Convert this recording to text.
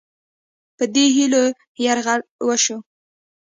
په دې هیلو یرغل وشو.